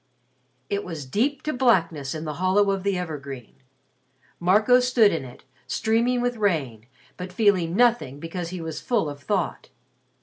It was deep to blackness in the hollow of the evergreen. Marco stood in it, streaming with rain, but feeling nothing because he was full of thought.